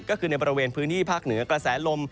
ก็คือในบริเวณพื้นที่ภาคเหนือกระแสลม